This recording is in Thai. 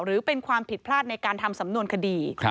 หรือเป็นความผิดพลาดในการทำสำนวนคดี